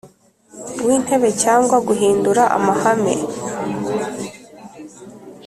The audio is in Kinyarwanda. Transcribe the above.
w Intebe cyangwa guhindura amahame